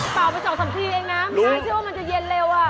ไปสองสามทีเองนะพี่เชื่อว่ามันจะเย็นเร็วอ่ะ